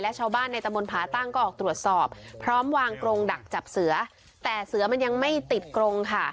ชาวบ้านในตะบนผาตั้งก็ออกตรวจสอบพร้อมวางกรงดักจับเสือแต่เสือมันยังไม่ติดกรงค่ะ